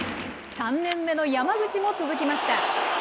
３年目の山口も続きました。